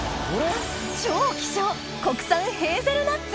超希少国産ヘーゼルナッツ